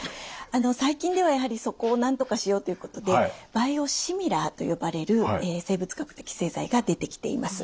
あの最近ではやはりそこをなんとかしようということでバイオシミラーと呼ばれる生物学的製剤が出てきています。